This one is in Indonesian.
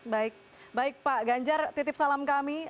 baik baik pak ganjar titip salam kami